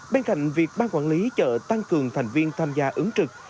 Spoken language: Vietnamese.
bên cạnh việc ban quản lý chợ tăng cường thành viên tham gia ứng trực